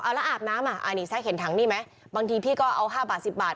เอาละอาบน้ำอ่ะอ่านี่แซคเห็นถังนี่ไหมบางทีพี่ก็เอาห้าบาทสิบบาท